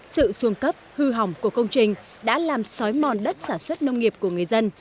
sự xuống cấp hư hỏng của công trình đã làm sói mòn đất sản xuất nông nghiệp của người dân